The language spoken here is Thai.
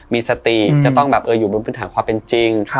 มีสติจะต้องแบบอยู่บนพื้นฐานความเป็นจริง